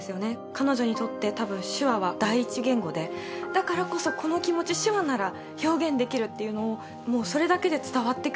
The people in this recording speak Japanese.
彼女にとって多分手話は第一言語でだからこそこの気持ち手話なら表現できるっていうのをもうそれだけで伝わってくる。